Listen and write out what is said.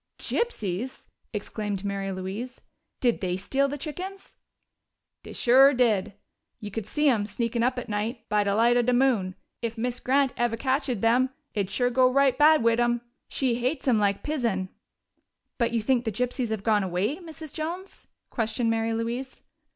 "Gypsies!" exclaimed Mary Louise. "Did they steal the chickens?" "Dey sure did. We could see 'em, sneakin' up at night, by de light of de moon. If Miz Grant eve' catched 'em, it'd sure go right bad wid 'em. She hates 'em like pison." "But you think the gypsies have gone away, Mrs. Jones?" questioned Mary Louise.